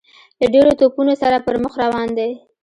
له ډیرو توپونو سره پر مخ روان دی.